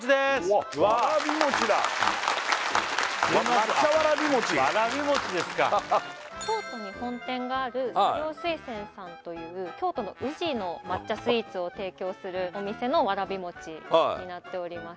わっわらび餅だ抹茶わらび餅京都に本店がある茶寮翠泉さんという京都の宇治の抹茶スイーツを提供するお店のわらび餅になっております